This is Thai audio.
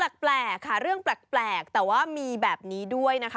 แปลกค่ะเรื่องแปลกแต่ว่ามีแบบนี้ด้วยนะคะ